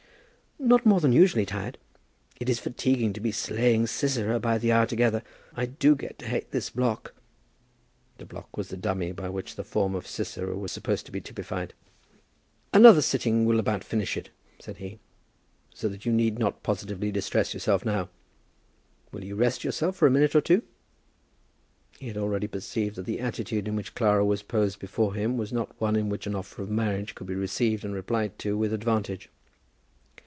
"Not more than usually tired. It is fatiguing to be slaying Sisera by the hour together. I do get to hate this block." The block was the dummy by which the form of Sisera was supposed to be typified. "Another sitting will about finish it," said he, "so that you need not positively distress yourself now. Will you rest yourself for a minute or two?" He had already perceived that the attitude in which Clara was posed before him was not one in which an offer of marriage could be received and replied to with advantage.